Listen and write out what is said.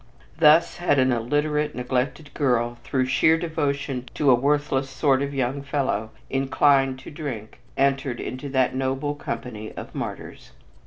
Thus had an illiterate, neglected girl through sheer devotion to a worthless sort of young fellow inclined to drink, entered into that noble company of martyrs.